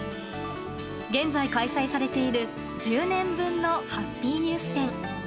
現在開催されている１０年分のハッピーニュース展。